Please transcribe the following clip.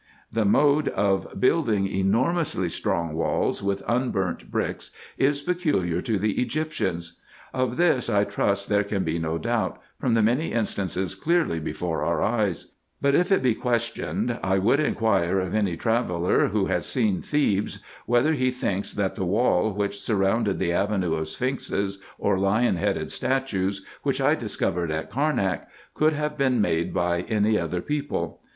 The mode of building enormously strong walls with unburnt bricks is peculiar to the Egyptians. Of this I trust there can be no doubt, from the many instances clearly before our eyes ; but if it be questioned, I would inquire of any traveller, who has seen Thebes, whether he thinks that the wall, winch surrounded the avenue of sphinxes, or lion headed statues, which I discovered at Carnak, could have been made by any other people.